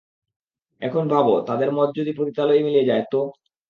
এখন ভাবো, তাদের মদ যদি পতিতালয়েই মিলে যায়, তো?